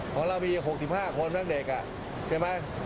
ของเรามี๖๕คนแม่งเด็กอ่ะเสียไหม